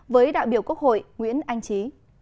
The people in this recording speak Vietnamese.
với đại biểu quốc hội nguyễn anh trí